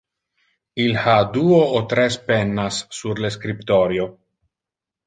Il ha duo o tres pennas sur le scriptorio.